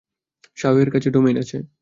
শাওহেইয়ের কাছে ডোমেইন আছে।